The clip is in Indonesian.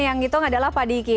yang ngitung adalah pak diki